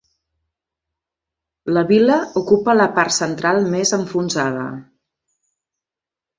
La vila ocupa la part central, més enfonsada.